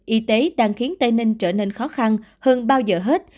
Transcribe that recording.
y tế đang khiến tây ninh trở nên khó khăn hơn bao giờ hết